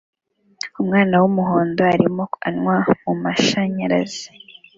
Umwana wumuhondo arimo anywa mumashanyarazi